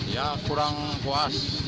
ya kurang puas